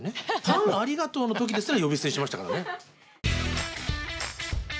「パンありがとう」の時ですら呼び捨てにしましたからね。